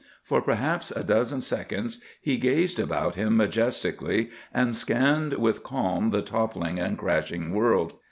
For perhaps a dozen seconds he gazed about him majestically, and scanned with calm the toppling and crashing world.